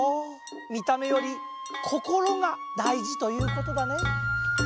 みためより心がだいじということだね。